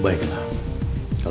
gak usah kay